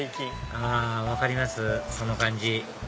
あぁ分かりますその感じ